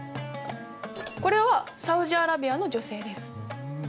これはサウジアラビアの女性です。